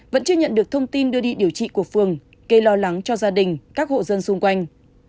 vẫn chưa nhận được thông tin đưa đi điều trị của phường gây lo lắng cho gia đình các hộ dân xung quanh